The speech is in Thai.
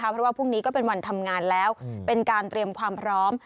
เพราะว่าพรุ่งนี้ก็เป็นวันทำงานแล้วเป็นการเตรียมความพร้อม